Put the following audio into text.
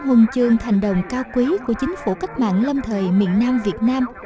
huân chương thành đồng cao quý của chính phủ cách mạng lâm thời miền nam việt nam